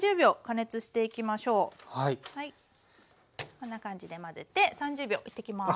こんな感じで混ぜて３０秒いってきます。